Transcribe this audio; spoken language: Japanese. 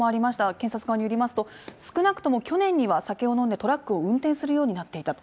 検察側によりますと、少なくとも去年には酒を飲んでトラックを運転するようになっていたと。